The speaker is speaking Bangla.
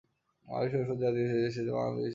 মালিশের ওষুধ যা দিয়ে এসেছি তাই মালিশ করোগে।